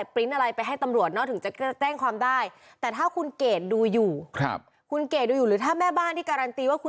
เพราะว่าช่วงหัวคำที่ผ่านมา